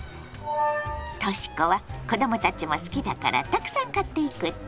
とし子は子供たちも好きだからたくさん買っていくって？